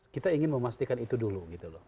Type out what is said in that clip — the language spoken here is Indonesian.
kita ingin memastikan itu dulu